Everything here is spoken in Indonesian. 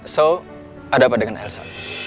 so ada apa dengan elsa